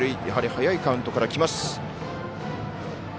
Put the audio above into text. やはり早いカウントからきます。